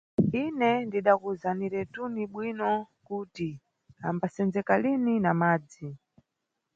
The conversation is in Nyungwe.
Ine ndidakuwuzaniretu bwino kuti ambasenzekesa lini na madzi.